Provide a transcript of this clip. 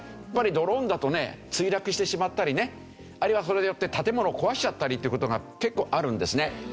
やっぱりドローンだとね墜落してしまったりねあるいはそれによって建物を壊しちゃったりって事が結構あるんですね。